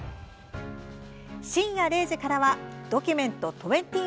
深夜０時からは「ドキュメント２０ｍｉｎ．」